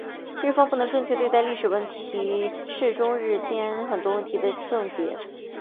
日方不能正确对待历史问题是中日间很多问题的症结。